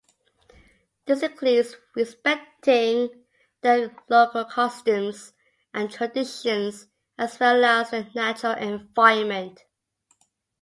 This includes respecting the local customs and traditions, as well as the natural environment.